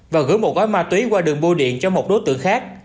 và gửi một gói ma túy qua đường bô điện cho một đối tượng khác